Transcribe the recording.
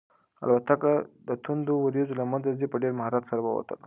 الوتکه د توندو وریځو له منځه په ډېر مهارت سره ووتله.